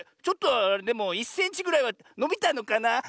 ちょっとはでも１センチぐらいはのびたのかな。